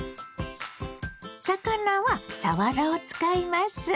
魚はさわらを使います。